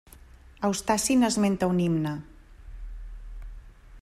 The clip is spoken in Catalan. Eustaci n'esmenta un himne.